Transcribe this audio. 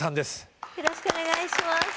よろしくお願いします。